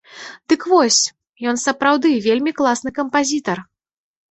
Дык вось, ён сапраўды вельмі класны кампазітар.